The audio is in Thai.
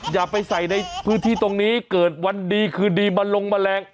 อย่าไปใส่ในพื้นที่ตรงนี้เกิดวันดีคืนดีมาลงแมลง